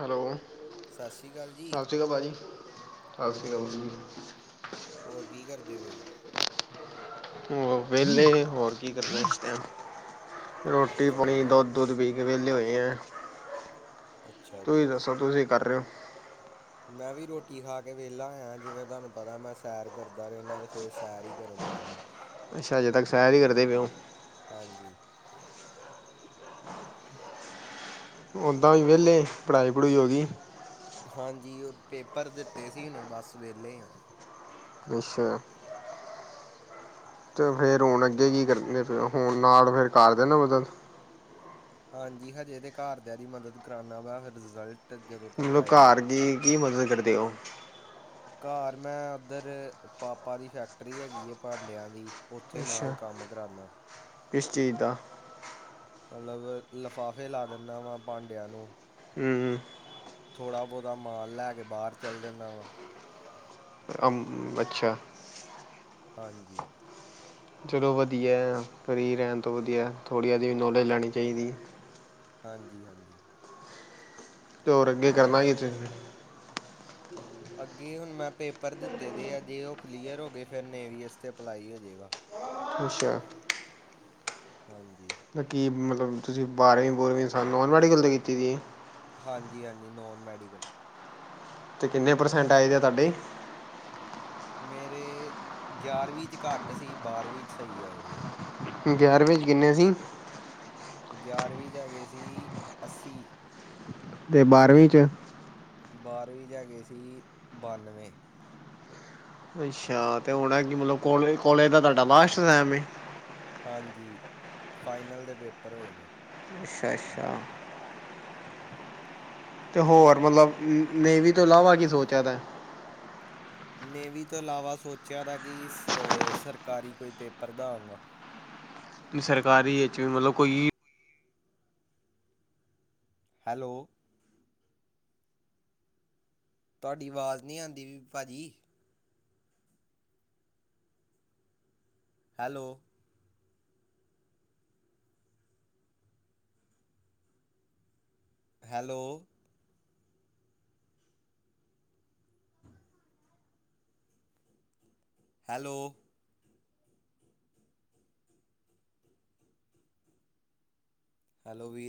Hello, ਸ਼੍ਰੀ ਅਕਾਲ ਜੀ ਸਤਿ ਸ਼੍ਰੀ ਅਕਾਲ ਭਾਜੀ, ਸਤ ਸ੍ਰੀ ਅਕਾਲ ਜੀ ਹੋਰ ਕੀ ਕਰਦੇ ਪਏ ਔ? ਹੋ ਵਿਹਲੇ ਹੋਰ ਕੀ ਕਰਨਾ, ਇਸ ਟੈਮ ਰੋਟੀ ਅੱਛਾ ਪਾਣੀ ਜੀ ਦੁਧ, ਦੁੱਧ ਪੀ ਕੇ ਵਿਹਲੇ ਹੋਏ ਹੈ, ਅੱਛਾ ਜੀ ਤੁਸੀ ਦੱਸੋ ਤੁਸੀਂ ਕਰ ਰਹੇ ਹੋ? ਮੈਂ ਵੀ ਰੋਟੀ ਖਾ ਕੇ ਵਿਹਲਾ ਆਇਆ, ਜਿਵੇਂ ਤੁਹਾਨੂੰ ਪਤਾ ਮੈਂ ਸੈਰ ਕਰਦਾ ਰਹਿੰਦਾ ਅਤੇ ਫਿਰ ਸੈਰ ਹੀ ਕਰਨ ਆਇਆ ਦਾ। ਅੱਛਾ ਅਜੇ ਤੱਕ ਸੈਰ ਹੀ ਕਰਦੇ ਪਏ ਓ ਹਾਂਜੀ, ਓਦਾਂ ਵੀ ਵਿਹਲੇ ਪੜ੍ਹਾਈ ਪੜੂਈ ਹੋ ਗਈ। ਹਾਂਜੀ ਉਹ ਪੇਪਰ ਦਿੱਤੇ ਸੀ ਨੇ ਬਸ ਵਹਲੇ ਹ। ਅੱਛਾ। ਅਤੇ ਫਿਰ ਹੁਣ ਅੱਗੇ ਕੀ ਕਰ ਹੁਣ ਨਾਲ ਫਿਰ ਕਰ ਦੇ ਨਾ ਮਦ। ਹਾਂਜੀ ਹਜੇ ਦੇ ਘਰਦਿਆਂ ਦੀ ਮਦਦ ਕਰਾਉਦਾ ਵਾ ਫਿਰ ਰਿਜ਼ਲਟ ਜਦੋਂ ਤੱਕ ਮਤਲਬ ਆਏਗਾ। ਘਰ ਕੀ ਕੀ ਮਦਦ ਕਰਦੇ ਹੋ। ਘਰ ਮੈਂ ਉੱਧਰ ਪਾਪਾ ਦੀ ਫੈਕਟਰੀ ਹੈਗੀ ਹੈ ਭਾਂਡਿਆਂ ਦੀ। ਉੱਥੇ ਨਾਲ ਅੱਛਾ ਕੰਮ ਕਰਾਉਣਾ ਕਿਸ ਚੀਜ਼ ਦਾ। ਮਤਲਬ ਲਿਫਾਫੇ ਲਾ ਦਿੰਦਾ ਵਾਂ ਭਾਂਡਿਆਂ ਨੂੰ। [unintelligible] ਥੋੜ੍ਹਾ ਬਹੁਤਾ ਮਾਲ ਲੈ ਕੇ ਬਾਹਰ ਚੱਲ ਜਾਂਦਾ ਵਾ। ਕਮ ਅੱਛਾ। ਹਾਂਜੀ, ਚਲੋ ਵਧੀਆ ਫਰੀ ਰਹਿਣ ਤੋਂ ਵਧੀਆ ਥੋੜ੍ਹੀ ਜੀ ਵੀ ਨੌਲੇਜ ਲੈਣੀ ਚਾਹੀਦੀ। ਹਾਂਜੀ ਹਾਂਜੀ, ਤੇ ਔਰ ਅੱਗੇ ਕਰਨਾ ਹੀ ਫਿਰ ਵੀ? ਅੱਗੇ ਹੁਣ ਮੈਂ ਪੇਪਰ ਦਿੱਤੇ ਦੇ ਆ ਜੇ ਉਹ ਕਲੀਅਰ ਹੋ ਗਏ ਫਿਰ ਨੇਵੀ ਵਾਸਤੇ 'ਤੇ ਅਪਲਾਈ ਹੋ ਜਾਵੇਗਾ। ਅੱਛਾ। ਹਾਂਜੀ। ਨਾ ਕੀ ਮਤਲਬ ਤੁਸੀਂ ਬਾਰ੍ਹਵੀਂ ਬੂਰਵੀਂ ਸਾਨੂੰ ਨੋਨ ਮੈਡੀਕਲ ' ਕੀਤੀ ਦੀ। ਹਾਂਜੀ ਹਾਂਜੀ ਨੋਨ ਮੈਡੀਕਲ ਹੈ। ਤੇ ਕਿੰਨੇ ਪ੍ਰਸੈਂਟ ਆਏ ਦੇ ਆ ਤੁਹਾਡੇ? ਮੇਰੇ ਗਿਆਰਵੀਂ 'ਚ ਘੱਟ ਸੀ ਬਾਰ੍ਹਵੀਂ 'ਚ ਸਹੀ ਆਏ ਦੇ ਆ। ਗਿਆਰਵੀਂ ਚ 'ਕਿੰਨੇ ਸੀ। ਗਿਆਰਵੀਂ ਜਾਂ ਹੈਗੇ ਸੀ ਅੱਸੀ। ਤੇ ਬਾਰ੍ਹਵੀ 'ਚ। ਬਾਰਵੀਂ ' ਹੈਗੇ ਸੀ ਬਾਨਵੇਂ। ਅੱਛਾ ਤੇ ਹੁਣ ਕਿ ਮਤਲਬ ਕੋਲੇ ਕੋਲੇਜ ਦਾ ਤੁਹਾਡਾ ਬਸ਼ ਬਸ਼ ਲਾਇਆ ਵੇ ਹਾਂਜੀ ਫਾਈਨਲ ਦੇ ਪੇਪਰ ਹੋਏ ਨੇ। ਅੱਛਾ ਅੱਛਾ। ਅਤੇ ਹੋਰ ਮਤਲਬ ਨੇਵੀ ਤੋਂ ਇਲਾਵਾ ਕੀ ਸੋਚਿਆ ਤਾਂ। ਨੇਵੀ ਤੋਂ ਇਲਾਵਾ ਸੋਚਿਆ ਤਾਂ ਕਿ ਸਰਕਾਰੀ ਕੋਈ ਪੇਪਰ ਦਵਾਂਗਾ। ਸਰਕਾਰੀ ਵਿੱਚ ਵੀ ਮਤਲਬ ਕੋਈ ਹੈਲੋ। ਤੁਹਾਡੀ ਆਵਾਜ਼ ਨਹੀਂ ਆਉਂਦੀ ਵੀ ਭਾਜੀ। ਹੈਲੋ। ਹੈਲੋ। [unintelligible] ਹੈਲੋ। ਹੈਲੋ ਵੀ।